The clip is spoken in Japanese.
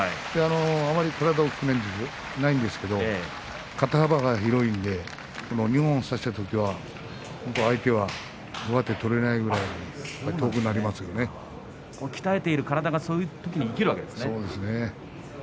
あまり体が大きくないんですけれど肩幅が広いので二本差した時は相手は上手を取れない鍛えている体がそういう時に生きるんですね。